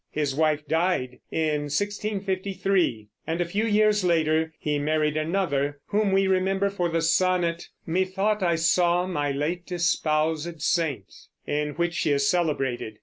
His wife died in 1653, and a few years later he married another, whom we remember for the sonnet, "Methought I saw my late espoused saint," in which she is celebrated.